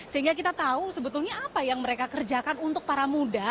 sehingga kita tahu sebetulnya apa yang mereka kerjakan untuk para muda